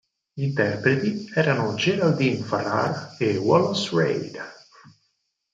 Gli interpreti erano Geraldine Farrar e Wallace Reid.